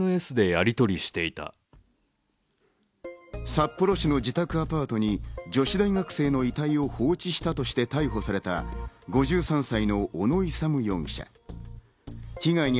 札幌市の自宅アパートに女子大学生の遺体を放置したとして逮捕された５３歳の小野勇容疑者。